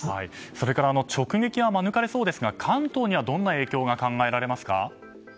それから、直撃が免れそうですが関東にはどんな影響が考えられますか。